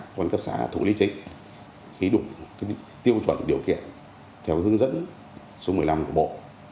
quân cấp xã thủ lý chính khi đủ tiêu chuẩn điều kiện theo hướng dẫn số một mươi năm của bộ